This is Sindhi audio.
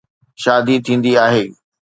شادي ٿيندي آهي.